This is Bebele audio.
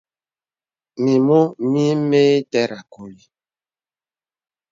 Mimù mì məìtæràŋ a kùli.